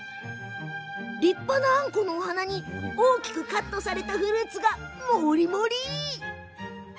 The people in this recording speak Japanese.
立派なあんこのお鼻に大きくカットされたフルーツがもりもり。